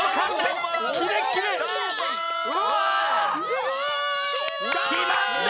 すごい！きまった！